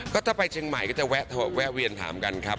ก็ถ้าไปเชียงใหม่ก็จะแวะเวียนถามกันครับ